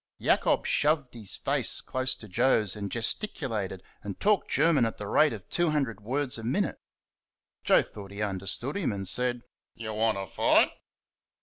Jacob shoved his face close to Joe's and gesticulated and talked German at the rate of two hundred words a minute. Joe thought he understood him and said: "You want to fight?"